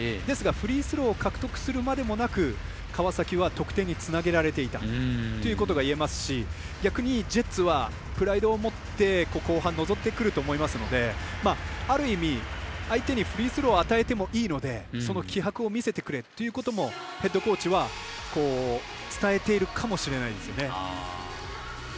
ですが、フリースローを獲得するまでもなく川崎は得点につなげられていたということがいえますし逆にジェッツはプライドを持って後半臨んでくると思うのである意味、相手にフリースローを与えてもいいのでその気迫を見せてくれということもヘッドコーチは伝えているかもしれないですよね。